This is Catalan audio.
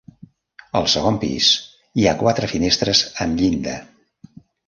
Al segon pis hi ha quatre finestres amb llinda.